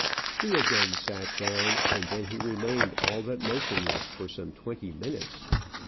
He again sat down, and then he remained all but motionless for some twenty minutes.